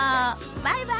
バイバイ。